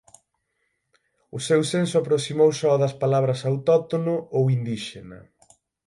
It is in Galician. O seu senso aproximouse ao das palabras "autóctono" ou "indíxena".